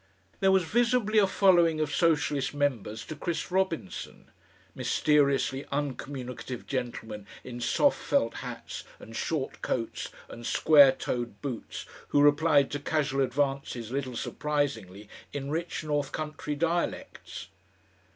There was visibly a following of Socialist members to Chris Robinson; mysteriously uncommunicative gentlemen in soft felt hats and short coats and square toed boots who replied to casual advances a little surprisingly in rich North Country dialects.